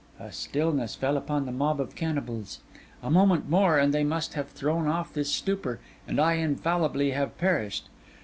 A stillness fell upon the mob of cannibals. A moment more, and they must have thrown off this stupor, and I infallibly have perished.